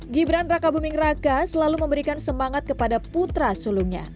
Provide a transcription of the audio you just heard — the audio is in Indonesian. gibran raka buming raka selalu memberikan semangat kepada putra sulungnya